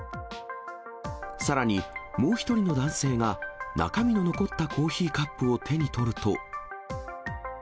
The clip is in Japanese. さらにもう１人の男性が、中身の残ったコーヒーカップを手に取ると。